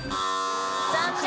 残念。